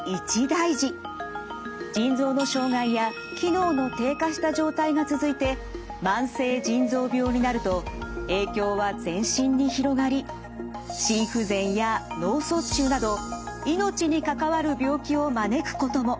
腎臓の障害や機能の低下した状態が続いて慢性腎臓病になると影響は全身に広がり心不全や脳卒中など命に関わる病気を招くことも。